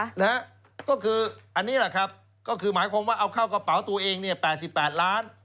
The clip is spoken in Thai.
นะฮะก็คืออันนี้แหละครับก็คือหมายความว่าเอาเข้ากระเป๋าตัวเองเนี่ย๘๘ล้าน